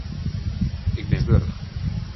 Ik bin warch.